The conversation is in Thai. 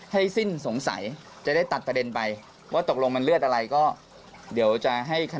สิ้นสงสัยจะได้ตัดประเด็นไปว่าตกลงมันเลือดอะไรก็เดี๋ยวจะให้คณะ